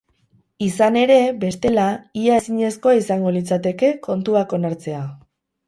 Izan ere, bestela, ia ezinezkoa izango litzateke kontuak onartzea.